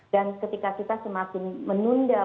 dan ketika kita semakin menunda pembahasan itu